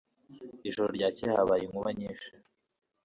Ijoro ryakeye habaye inkuba nyinshi.